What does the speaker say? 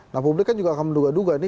nah publik kan juga akan menduga duga ini